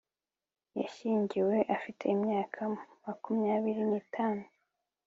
Yashyingiwe afite imyaka makumyabiri nitanu